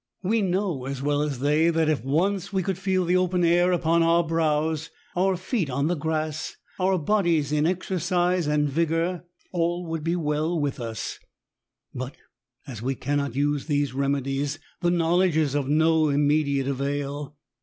We know, as well as they, that if once we could feel the open air upon our brows, our feet on the grass, our bodies in exercise and vigour, all would be well with us; but, as we cannot use these remediesi the knowledge is of no immediate avail.